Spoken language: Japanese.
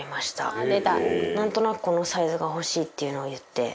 なんとなくこのサイズが欲しいっていうのを言って。